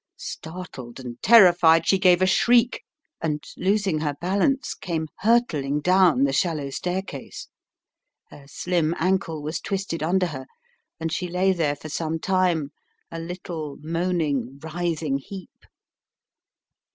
Startled and terrified she gave a shriek, and losing her balance, came hurtling down the shallow staircase. Her slim ankle was twisted under her, and she lay there for some time, a little, moaning, writhing heap.